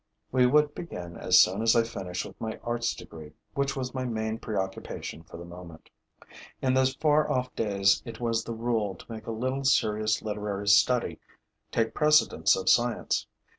We would begin as soon as I had finished with my arts degree, which was my main preoccupation for the moment. In those far off days it was the rule to make a little serious literary study take precedence of science.